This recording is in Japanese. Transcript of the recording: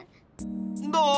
どう？